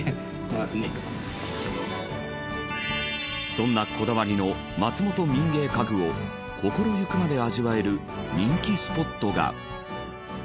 そんなこだわりの松本民芸家具を心ゆくまで味わえる人気スポットが。